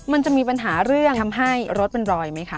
มันจะมีปัญหาเรื่องทำให้รถเป็นรอยไหมคะ